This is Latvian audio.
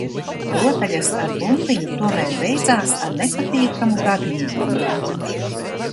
Rotaļas ar bumbiņu tomēr beidzās ar nepatīkamu gadījumu.